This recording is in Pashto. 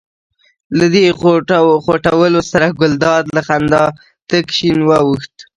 له دې خوټولو سره ګلداد له خندا تک شین واوښت.